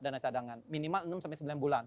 dana cadangan minimal enam sembilan bulan